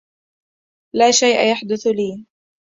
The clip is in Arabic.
لا شيء يحدث لي!